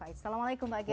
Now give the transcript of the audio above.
assalamualaikum pak kiyai